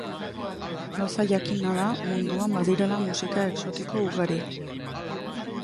Gauza jakina da munduan badirela musika exotiko ugari.